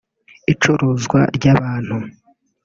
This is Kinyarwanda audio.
icuruzwa ry’abantu